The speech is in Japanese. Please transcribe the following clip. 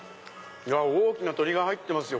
大きな鶏が入ってますよ